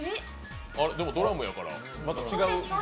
でも、ドラムやから、また違う。